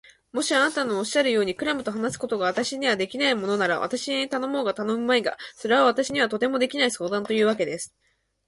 もしあなたのおっしゃるように、クラムと話すことが私にはできないものなら、私に頼もうが頼むまいが、それは私にはとてもできない相談というわけです。